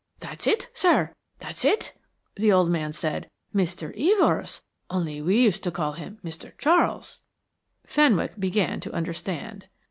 "That's it, sir, that's it," the old man said. "Mr. Evors, only we used to call him Mr. Charles." Fenwick began to understand.